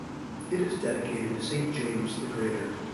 It is dedicated to Saint James the Greater.